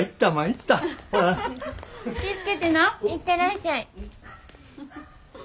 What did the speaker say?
行ってらっしゃい。